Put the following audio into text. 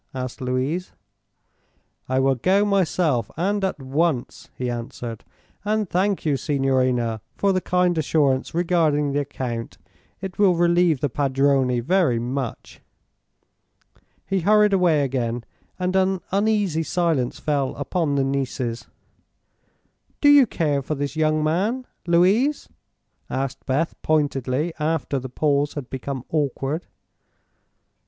asked Louise. "I will go myself, and at once," he answered. "And thank you, signorina, for the kind assurance regarding the account. It will relieve the padrone very much." He hurried away again, and an uneasy silence fell upon the nieces. "Do you care for this young man. Louise?" asked Beth, pointedly, after the pause had become awkward.